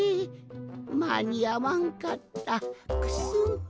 まにあわんかったクスン。